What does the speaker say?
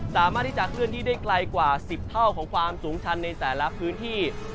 สามารถที่จะเคลื่อนที่ได้ไกลกว่า๑๐เท่าของความสูงชันในแต่ละพื้นที่